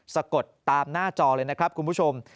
สะกดตามหน้าจอเลยนะครับคุณผู้ชม